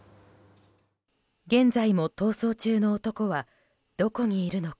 現在も逃走中の男はどこにいるのか。